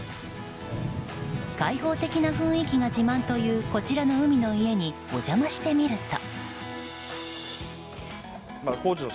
開放的な雰囲気が自慢というこちらの海の家にお邪魔してみると。